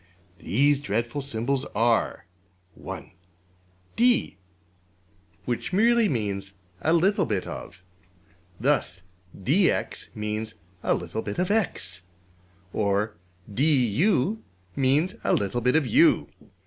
These dreadful symbols are: (1) $d$ which merely means ``a little bit of.'' Thus $dx$ means a little bit of~$x$; or $du$ means a little bit of~$u$.